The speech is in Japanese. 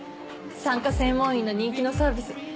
産科専門医の人気のサービス